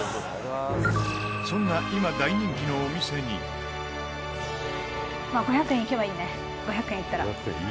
そんな、今大人気のお店に「５００円いけばいいね５００円いったら」